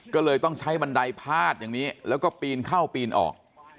ก็เลยต้องใช้บันไดพาดอย่างนี้แล้วก็ปีนเข้าปีนออก